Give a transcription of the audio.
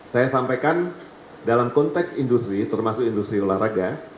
saya sampaikan dalam konteks industri termasuk industri olahraga